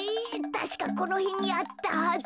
たしかこのへんにあったはず。